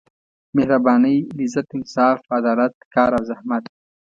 مهربانۍ لذت انصاف عدالت کار او زحمت.